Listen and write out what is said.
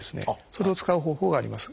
それを使う方法があります。